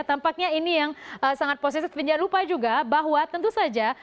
tampaknya ini yang sangat positif dan jangan lupa juga bahwa tentu saja